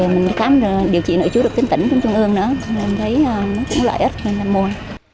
mình khám điều trị nội chú được tính tỉnh trong trung ương nữa em thấy nó cũng lợi ích nên là mua